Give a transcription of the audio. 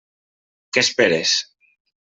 Què esperes?